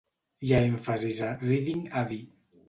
Hi ha èmfasis a Reading Abbey.